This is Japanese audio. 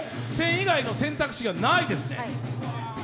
１０００以外の選択肢がないですね。